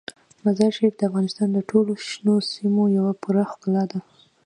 مزارشریف د افغانستان د ټولو شنو سیمو یوه پوره ښکلا ده.